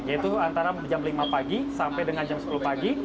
yaitu antara jam lima pagi sampai dengan jam sepuluh pagi